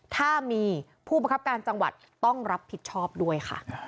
ถ้ามีผู้ประคับการจังหวัดต้องรับผิดชอบด้วยค่ะ